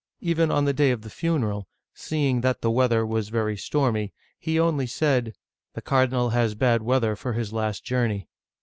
Even on the day of the funeral, seeing that the weather was very stormy, he only said, " The cardinal has bad weather for his last journey